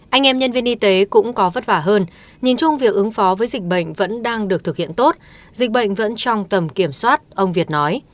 anh em nhân viên y tế cũng có vất vả hơn nhìn chung việc ứng phó với dịch bệnh vẫn đang được thực hiện tốt dịch bệnh vẫn trong tầm kiểm soát ông việt nói